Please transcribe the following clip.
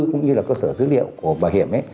cũng như là cơ sở dữ liệu của bảo hiểm ấy